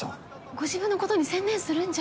ご自分のことに専念するんじゃ。